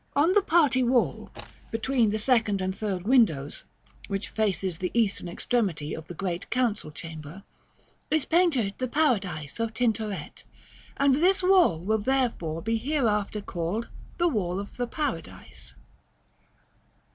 § VIII. On the party wall, between the second and third windows, which faces the eastern extremity of the Great Council Chamber, is painted the Paradise of Tintoret; and this wall will therefore be hereafter called the "Wall of the Paradise."